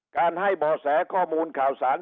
การให้บ่อแสข้อมูลข่าวสาร